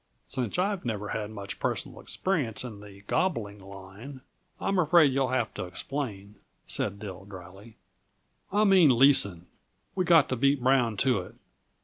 "Since I have never had much personal experience in the 'gobbling' line, I'm afraid you'll have to explain," said Dill dryly. "I mean leasing. We got to beat Brown to it.